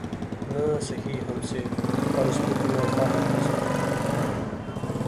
نہ سہی ہم سے‘ پر اس بت میں وفا ہے تو سہی